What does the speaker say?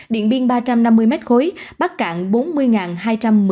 điện biên ba trăm năm mươi m ba bắc cạn bốn mươi m ba